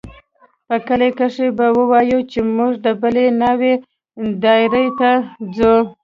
په کلي کښې به ووايو چې موږ د بلې ناوې دايرې ته ځو.